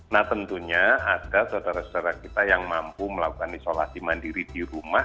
nah tentunya ada saudara saudara kita yang mampu melakukan isolasi mandiri di rumah